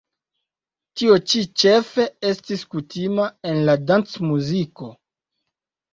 Tio ĉi ĉefe estis kutima en la dancmuziko.